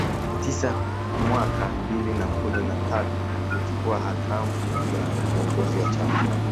tisa hmwaka elfu mbili na kumi na tatu alipochukua hatamu za uongozi wa chama